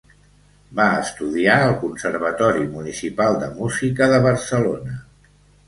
Va estudiar al Conservatori Municipal de Música de Barcelona.